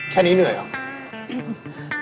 แค่นี้เหนื่อยหรอ